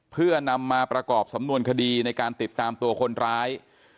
เพื่อนำมาประกอบสำนวนคดีในการติดตามตัวคนร้าย